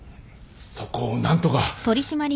そこを何とか！